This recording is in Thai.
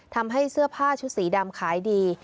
ทำให้เสื้อผ้าชุดสีดำขายดี